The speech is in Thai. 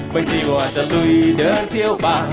ไปดิวอาจจะลุยเดินเที่ยวบ้าน